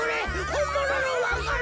ほんもののわか蘭。